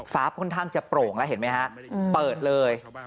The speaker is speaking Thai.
ฟ้าค่อนข้างจะโปร่งแล้วเห็นไหมฮะเปิดเลย